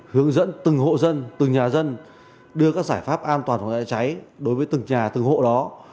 hướng dẫn từng hộ dân từng nhà dân đưa các giải pháp an toàn phòng cháy cháy đối với từng nhà từng hộ đó